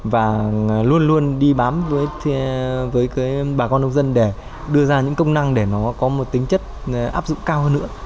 và luôn luôn đi bám với bà con nông dân để đưa ra những công năng để nó có một tính chất áp dụng cao hơn nữa